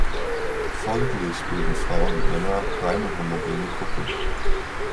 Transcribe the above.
Folglich bilden Frauen und Männer keine homogene Gruppe.